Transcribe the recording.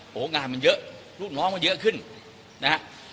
โอ้โหงานมันเยอะลูกน้องมันเยอะขึ้นนะฮะ